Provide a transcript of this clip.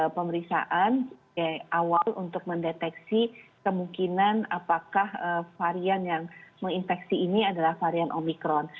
pemeriksaan awal untuk mendeteksi kemungkinan apakah varian yang menginfeksi ini adalah varian omikron